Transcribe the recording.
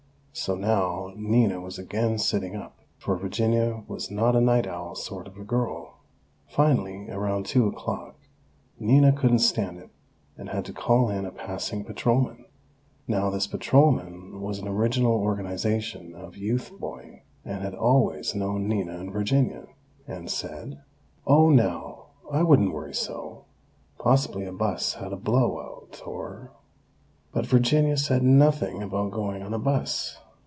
So now Nina was again sitting up, for Virginia was not a night owl sort of a girl. Finally, around two o'clock, Nina couldn't stand it, and had to call in a passing patrolman. Now this patrolman was an original Organization of Youth boy, and had always known Nina and Virginia; and said: "Oh, now! I wouldn't worry so. Possibly a bus had a blowout; or " "But Virginia said nothing about going on a bus!